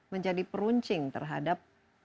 menjadi peruncing terhadap